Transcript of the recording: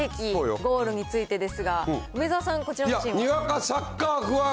ゴールについてですが、梅沢さん、こちらのシーン。